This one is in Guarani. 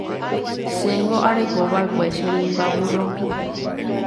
Chéngo arekova'ekue che rymba vurromi.